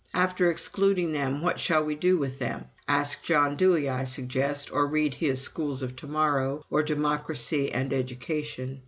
After excluding them, what shall we do with them? Ask John Dewey, I suggest, or read his 'Schools of To morrow,' or 'Democracy and Education.'